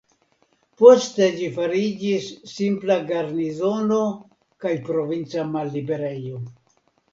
Poste ĝi fariĝis simpla garnizono kaj provinca malliberejo.